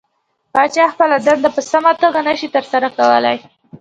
پاچا خپله دنده په سمه توګه نشي ترسره کولى .